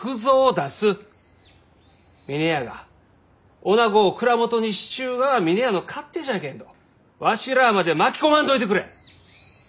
峰屋がおなごを蔵元にしちゅうがは峰屋の勝手じゃけんどわしらまで巻き込まんといてくれ！